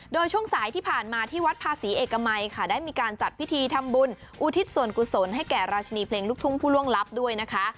โดยช่วงสายที่ผ่านมาที่วัดภาษีเอกมัยค่ะได้มีการจัดพิธีทำบุญอุทิศส่วนกุศลให้แก่ราชินีเพลงลูกทุ่งผู้ล่วงลับด้วยนะคะ